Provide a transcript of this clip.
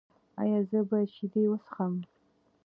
ایا زه باید شیدې وڅښم؟